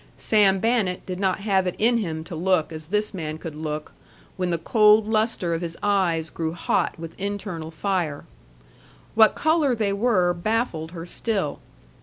Sam Bannett did not have it in him to look as this man could look, when the cold lustre of his eyes grew hot with internal fire. What color they were baffled her still.